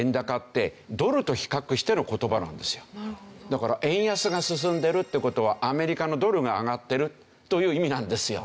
だから円安が進んでるって事はアメリカのドルが上がってるという意味なんですよ。